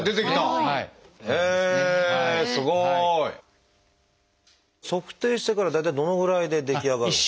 すごい！測定してから大体どのぐらいで出来上がる？